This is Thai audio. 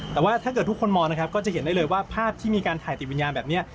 แต่ว่าถ้าเกิดทุกคนมองนะครับก็จะเห็นได้เลยว่าภาพที่มีการถ่ายติดวิญญาณแบบนี้